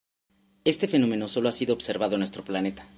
Este fenómeno sólo ha sido observado en nuestro planeta.